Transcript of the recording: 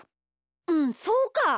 うんそうか！